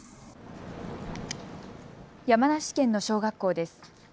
山梨県の小学校です。